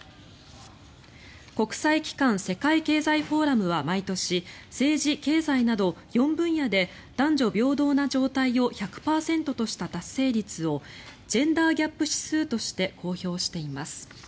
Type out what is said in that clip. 国際機関、世界経済フォーラムは毎年、政治・経済など４分野で男女平等な状態を１００％とした達成率をジェンダー・ギャップ指数として公表しています。